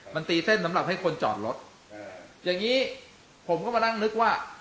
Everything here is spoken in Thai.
มันตีเส้นสำหรับให้คนจอดรถอย่างงี้ผมก็มานั่งนึกว่า